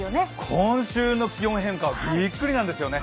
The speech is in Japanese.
今週の気温変化はびっくりなんですよね。